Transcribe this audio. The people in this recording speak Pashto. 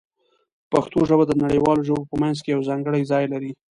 پښتو ژبه د نړیوالو ژبو په منځ کې یو ځانګړی ځای لري.